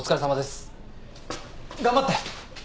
頑張って。